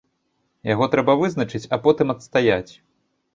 Яго трэба вызначыць, а потым адстаяць.